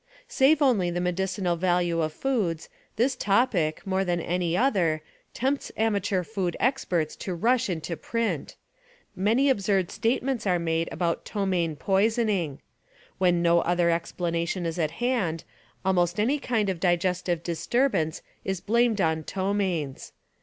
Save only the medicinal value of foods, this topic, more than any other, tempts amateur food experts to rush into print. Many absurd statements are made about ptomain poisoning. When no other ex planation is at hand, almost any kind of digestive dis Food turbance is blamed on ptomains.